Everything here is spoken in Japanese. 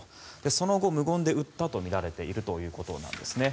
その後、無言で撃ったとみられているということです。